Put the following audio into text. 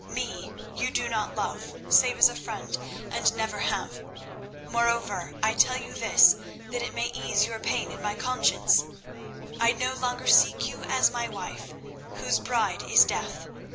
Me you do not love, save as a friend, and never have. Moreover, I tell you this that it may ease your pain and my conscience; I no longer seek you as my wife, whose bride is death.